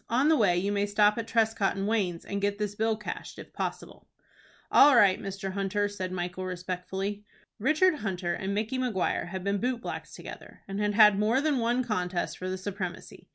On the way you may stop at Trescott & Wayne's, and get this bill cashed, if possible." "All right, Mr. Hunter," said Michael, respectfully. Richard Hunter and Micky Maguire had been boot blacks together, and had had more than one contest for the supremacy.